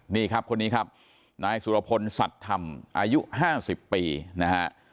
นี่ครับคนนี้ครับนายสุรพลสัตว์ธรรมอายุ๕๐ปีนะฮะ